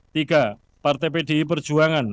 tiga partai pdi perjuangan